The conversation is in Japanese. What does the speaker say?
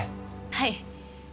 はい。